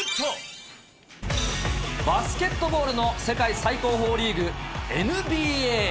バスケットボールの世界最高峰リーグ、ＮＢＡ。